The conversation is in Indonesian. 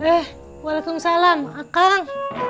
eh waalaikumsalam akang